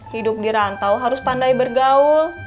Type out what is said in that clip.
hidup di rantau harus pandai bergaul